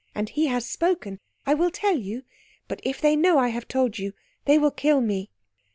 And he has spoken. I will tell you. But if they know I have told you they will kill me.